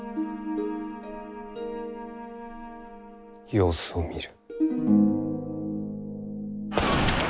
様子を見る。